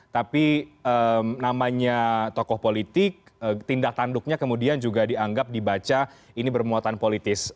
tapi namanya tokoh politik tindak tanduknya kemudian juga dianggap dibaca ini bermuatan politis